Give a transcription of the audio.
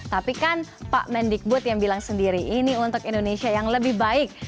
tapi kan pak mendikbud yang bilang sendiri ini untuk indonesia yang lebih baik